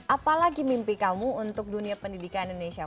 apalagi mimpi kamu untuk dunia pendidikan indonesia